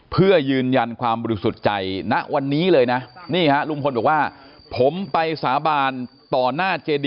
เพื่อยืนยันความบริสุทธิ์ใจนะวันนี้เลยนะ